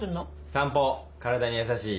散歩体にやさしい。